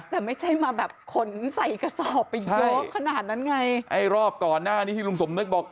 แต่ไม่ใช่มาแบบขนใส่กระสอบไปเยอะขนาดนั้นไงไอ้รอบก่อนหน้านี้ที่ลุงสมนึกบอก